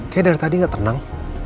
kayaknya dari tadi gak tenang